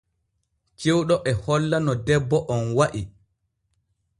Cewɗo e holla no debbo on wa’i.